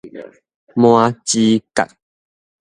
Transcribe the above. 麻糍角